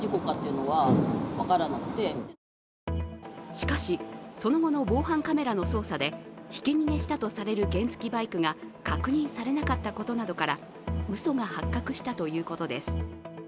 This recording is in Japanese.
しかし、その後の防犯カメラの捜査でひき逃げしたとされる原付きバイクが確認されなかったことなどから、うそが発覚したということです。